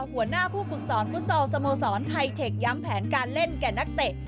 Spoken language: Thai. หัวหน้าผู้ฝึกสอนฟุตซอลสโมสรไทเทคย้ำแผนการเล่นแก่นักเตะ